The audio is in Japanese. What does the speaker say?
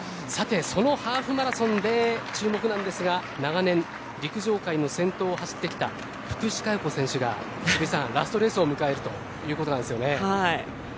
そのハーフマラソンで注目なんですが長年、陸上界の先頭を走ってきた福士加代子選手が渋井さん、ラストレースを迎えるということなんですよね。